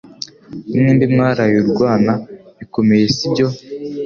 Mwembi mwaraye urwana bikomeye sibyo